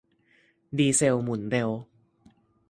ดีเซลหมุนเร็ว